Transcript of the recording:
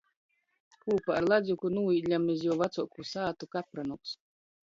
Kūpā ar Ladzuku nūīdļam iz juo vacuoku sātu Kapranūs.